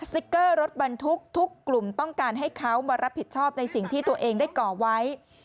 ติ๊กเกอร์รถบรรทุกทุกกลุ่มต้องการให้เขามารับผิดชอบในสิ่งที่ตัวเองได้ก่อไว้